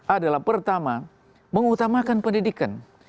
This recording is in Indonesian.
adalah pertama mengutamakan pendidikan